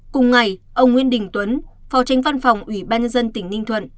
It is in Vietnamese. cùng ngày ông nguyên đình tuấn phò tránh văn phòng ủy ban nhân dân tỉnh ninh thuận